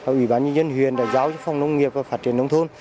ủy ban nhân dân huyền đã giao cho phòng nông nghiệp và phát triển nông thôn